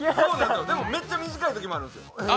でもめっちゃ短いときもあるんですよ、